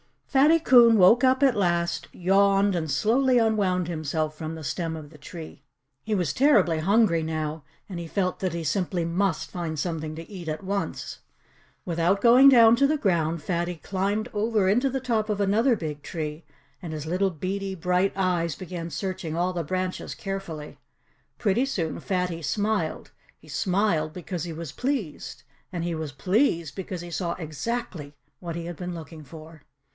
Fatty Coon woke up at last, yawned, and slowly unwound himself from the stem of the tree. He was terribly hungry now. And he felt that he simply MUST find something to eat at once. Without going down to the ground, Fatty climbed over into the top of another big tree and his little beady, bright eyes began searching all the branches carefully. Pretty soon Fatty smiled. He smiled because he was pleased. And he was pleased because he saw exactly what he had been looking for.